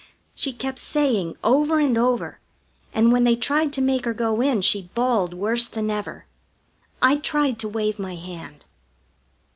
she kept saying over and over, and when they tried to make her go in she bawled worse than ever. I tried to wave my hand.